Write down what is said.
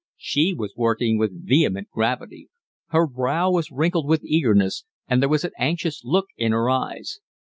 She was working with vehement gravity. Her brow was wrinkled with eagerness, and there was an anxious look in her eyes.